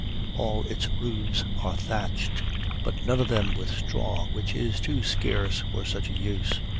All its roofs are thatched, but none of them with straw, which is too scarce for such a use.